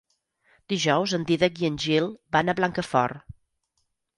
Dijous en Dídac i en Gil van a Blancafort.